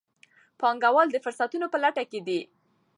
پانګوال د فرصتونو په لټه کې دي.